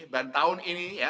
dan tahun ini ya